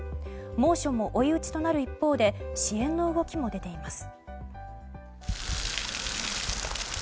猛暑も追い打ちとなる一方で支援の動きも出ています。